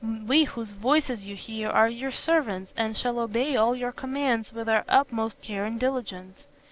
We whose voices you hear are your servants and shall obey all your commands with our utmost care and diligence.